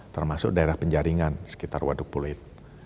termasuk daerah penjaringan sekitar waduk pulut